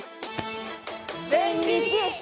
デンリキ！